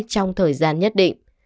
trong thời gian nhất định